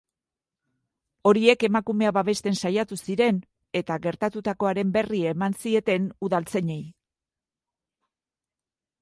Horiek emakumea babesten saiatu ziren, eta, gertatukoaren berri eman zieten udaltzainei.